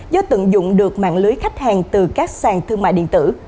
do tận dụng được mạng lưới khách hàng từ các sàn thương mại điện tử